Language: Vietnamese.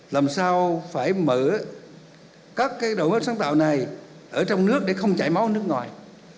làm sao phải mở các đổi mới sáng tạo này ở trong nước để không chạy máu nước ngoài